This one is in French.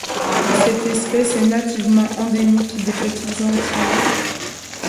Cette espèce est nativement endémique des Petites Antilles.